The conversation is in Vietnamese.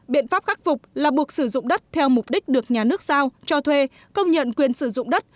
biện pháp khắc phục là buộc sử dụng đất theo mục đích được nhà nước sao cho thuê công nhận quyền sử dụng đất